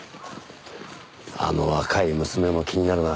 あの若い娘も気になるな。